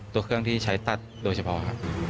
ตัวเครื่องที่ใช้ตัดโดยเฉพาะครับ